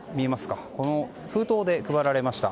封筒で配られました。